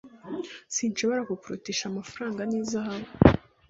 sinhobora kukurutisha amafaranga n’izahabu